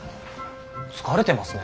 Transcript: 疲れてますね。